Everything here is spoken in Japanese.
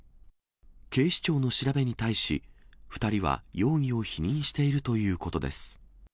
警視庁の調べに対し、２人は容疑を否認しているということです。